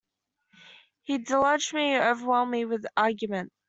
He deluged me, overwhelmed me with argument.